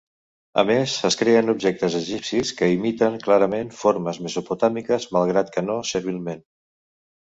A més, es creen objectes egipcis que imiten clarament formes mesopotàmiques, malgrat que no servilment.